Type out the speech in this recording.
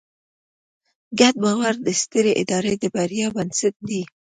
ګډ باور د سترې ادارې د بریا بنسټ دی.